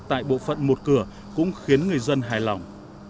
tại bộ phận một cửa cũng khiến người dân hài lòng